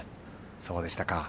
そうでしたか。